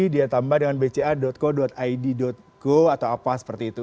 dia tambah dengan bca co id go atau apa seperti itu